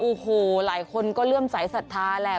โอ้โหหลายคนก็เริ่มสายศรัทธาแหละ